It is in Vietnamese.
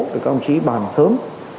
các đồng chí bàn sớm